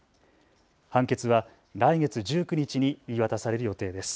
判決は来月１９日に言い渡される予定です。